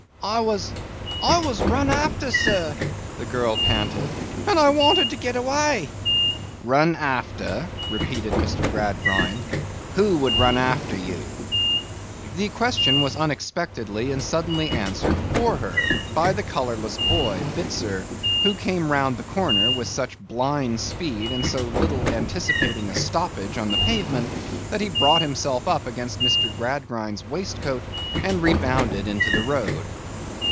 'I was—I was run after, sir,' the girl panted, 'and I wanted to get away.' 'Run after?' repeated Mr. Gradgrind. 'Who would run after you?' The question was unexpectedly and suddenly answered for her, by the colourless boy, Bitzer, who came round the corner with such blind speed and so little anticipating a stoppage on the pavement, that he brought himself up against Mr. Gradgrind's waistcoat and rebounded into the road.